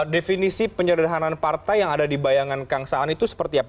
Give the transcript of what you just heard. definisi penyederhanaan partai yang ada di bayangan kang saan itu seperti apa